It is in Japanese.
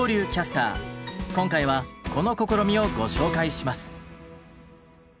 今回はこの試みをご紹介します。